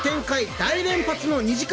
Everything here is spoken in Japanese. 大連発の２時間